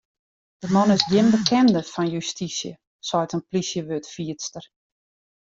De man is gjin bekende fan justysje, seit in plysjewurdfierster.